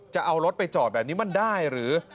จะเอารถไปจอดแบบนี้มันได้หรือ